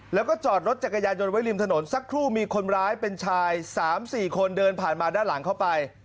แล้วก็จอดรถจักรยานยนต์ไว้ริมถนนสักครู่มีคนร้ายเป็นชาย๓๔คนเดินผ่านมาด้านหลังเข้าไป